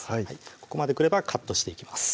ここまでくればカットしていきます